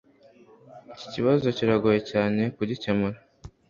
Iki kibazo kiragoye cyane kugikemura